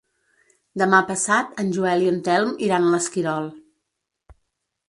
Demà passat en Joel i en Telm iran a l'Esquirol.